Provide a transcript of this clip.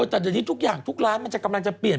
แต่ในนี้ทุกอย่างทุกร้านกำลังจะเปลี่ยน